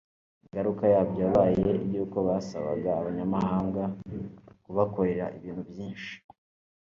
Ingaruka yabyo yabaye iy’uko basabaga Abanyamahanga kubakorera ibintu byinshi